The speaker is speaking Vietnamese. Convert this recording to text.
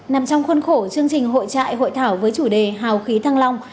nằm trong khuôn khổ chương trình hội trại hội thảo với chủ đề hào khí thăng long